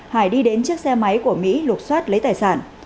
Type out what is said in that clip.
hải đi đến chiếc xe máy của mỹ lục xoát lấy tài sản